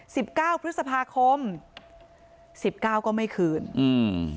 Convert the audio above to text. สิบเก้าพฤษภาคมสิบเก้าก็ไม่คืนอืม